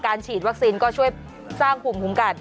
ฉีดวัคซีนก็ช่วยสร้างภูมิคุ้มกัน